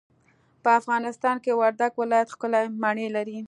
په افغانستان کي وردګ ولايت ښکلې مڼې لري.